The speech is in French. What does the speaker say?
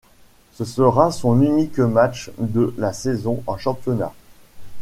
Ce sera son unique match de la saison en championnat.